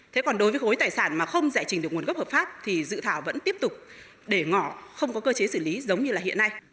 thế còn đối với khối tài sản mà không giải trình được nguồn gốc hợp pháp thì dự thảo vẫn tiếp tục để ngỏ không có cơ chế xử lý giống như là hiện nay